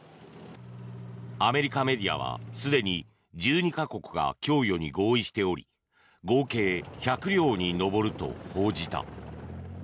アメリカメディアはすでに１２か国が供与に合意しており合計１００両に上ると報じた。